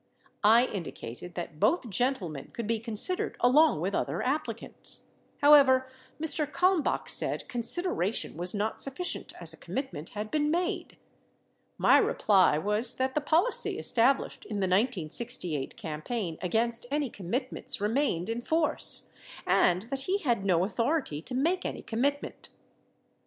I indicated that both gentleman could be considered along with other applicants. However, Mr. Kalmbach said consideration was not sufficient as a commit ment had been made. My reply was that the policy established in the 1968 campaign against any commitments remained in force, and that he had no authority to make any commitment.